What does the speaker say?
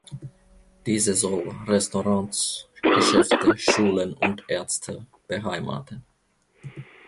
Diese soll Restaurants, Geschäfte, Schulen und Ärzte beheimaten.